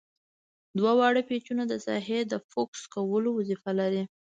دوه واړه پیچونه د ساحې د فوکس کولو وظیفه لري.